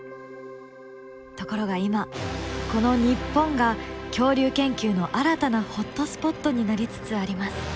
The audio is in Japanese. ところが今この日本が恐竜研究の新たなホットスポットになりつつあります。